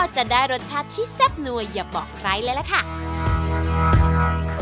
จะได้รสชาติที่แซ่บนัวอย่าบอกใครเลยล่ะค่ะ